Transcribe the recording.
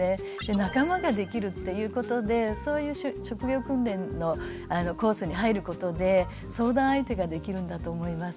仲間ができるっていうことでそういう職業訓練のコースに入ることで相談相手ができるんだと思います。